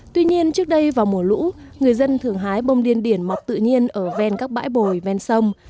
tuy nhiên trước đây vào mùa lũ người dân thường hái bông điên điển mọc tự nhiên ở ven các bãi bồi ven sông